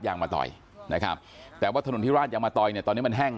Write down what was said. ยางมาต่อยนะครับแต่ว่าถนนที่ราดยางมะตอยเนี่ยตอนนี้มันแห้ง